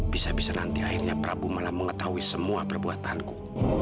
bisa bisa nanti akhirnya prabu malah mengetahui semua perbuatanku